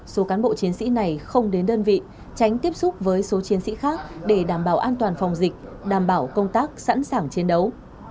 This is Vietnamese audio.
số cán bộ chiến sĩ này không đến đơn vị tránh tiếp xúc với số chiến sĩ khác để đảm bảo an toàn phòng dịch đảm bảo công tác sẵn sàng chiến đấu